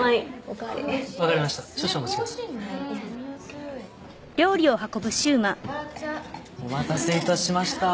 お待たせいたしました。